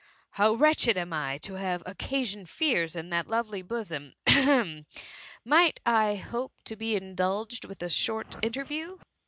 *"^* How wretched I am to have occasioned fears in that lovely bosom. Hem, hem ! might 1 hope .to be indulged with a short interview.